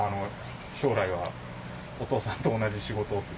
将来はお父さんと同じ仕事。